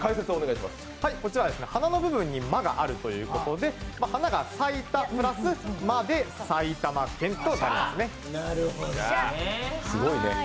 花の部分の「ま」があるということで花が咲いたプラス「ま」で埼玉県となりますね。